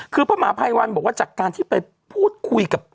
คือพระมหาภัยวันบอกว่าจากการที่ไปพูดคุยกับ